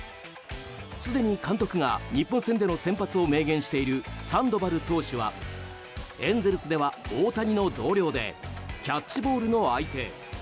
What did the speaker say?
すでに監督が日本戦での先発を明言しているサンドバル投手はエンゼルスでは大谷の同僚でキャッチボールの相手。